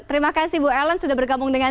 terima kasih bu ellen sudah bergabung dengan